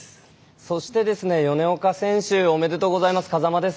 そして米岡選手おめでとうございます。